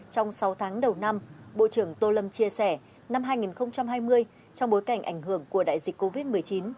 trong sáu tháng đầu năm bộ trưởng tô lâm chia sẻ năm hai nghìn hai mươi trong bối cảnh ảnh hưởng của đại dịch covid một mươi chín